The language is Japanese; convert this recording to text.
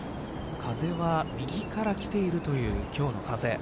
風は右から来ているという今日の風。